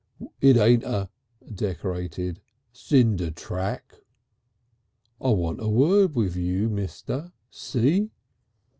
It ain't a (decorated) cinder track. I want a word with you, mister. See?"